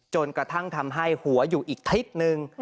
จนกระทั่งทำให้หัวอยู่อีกทิศนึง